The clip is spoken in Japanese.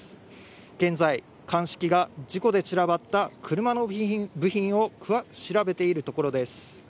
現在、鑑識が事故で散らばった、車の部品を詳しく調べているところです。